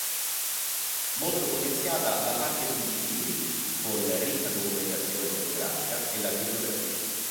Molto potenziate la parte sugli ibridi, con ricca documentazione fotografica, e la bibliografia.